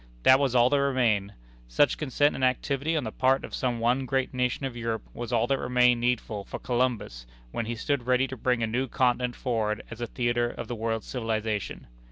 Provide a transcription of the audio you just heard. That was all that remained. Such consent and activity on the part of some one great nation of Europe was all that remained needful for Columbus when he stood ready to bring a new continent forward as a theatre of the world's civilization.